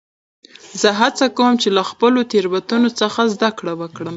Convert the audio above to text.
زه هڅه کوم، چي له خپلو تیروتنو څخه زدکړم وکړم.